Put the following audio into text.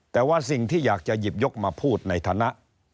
แต่ว่าสิ่งที่อยากจะหยิบยกมาพูดในฐานะ